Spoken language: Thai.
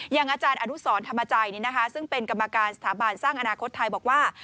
อย่างอาจารย์อนุสรธรรมจัยซึ่งเป็นกรรมการสถาบันสร้างอนาคตไทยบอกว่า